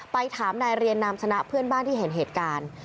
ถามนายเรียนนามชนะเพื่อนบ้านที่เห็นเหตุการณ์